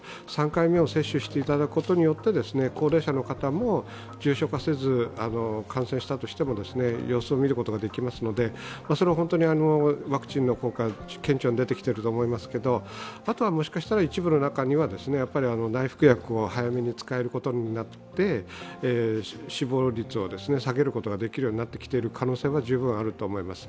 ３回目を接種していただくことによって高齢者の方も、重症化せず、感染したとしても様子を見ることができますのでそれは本当にワクチンの効果が顕著に出てきていると思いますがあとはもしかしたら一部の中には内服薬を早めに使えることになって、死亡率を下げることができるようになってきている可能性は十分あると思います。